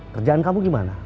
kerjaan kamu gimana